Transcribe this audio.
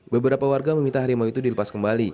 beberapa warga meminta harimau itu dilepas kembali